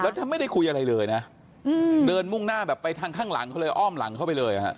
แล้วถ้าไม่ได้คุยอะไรเลยนะเดินมุ่งหน้าแบบไปทางข้างหลังเขาเลยอ้อมหลังเข้าไปเลยฮะ